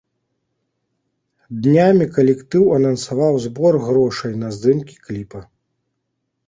Днямі калектыў анансаваў збор грошай на здымкі кліпа.